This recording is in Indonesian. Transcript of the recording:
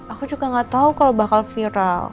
aku juga gak tau kalau bakal viral